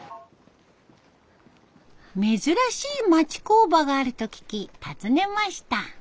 珍しい町工場があると聞き訪ねました。